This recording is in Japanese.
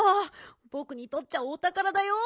ぼくにとっちゃおたからだよ。